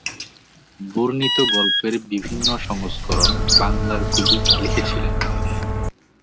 বর্ণিত গল্পের বিভিন্ন সংস্করণ বাংলার কবি লিখেছিলেন।